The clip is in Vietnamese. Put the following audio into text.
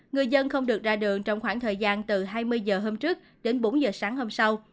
người dân không được ra đường trong khoảng thời gian từ hai mươi h hôm trước đến bốn h sáng hôm sau